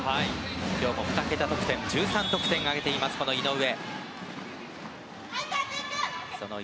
今日も２桁、１３得点を挙げている井上。